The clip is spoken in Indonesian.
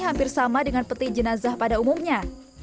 hampir sama dengan peti jenazah pada umumnya